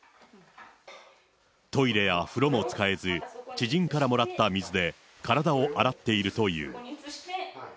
トイレや風呂も使えず、知人からもらった水で、体を洗っているという。